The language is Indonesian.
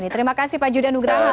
terima kasih pak judenugraha